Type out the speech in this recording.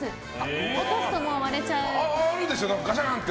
落とすと割れちゃう。